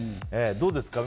どうですか？